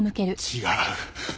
違う！！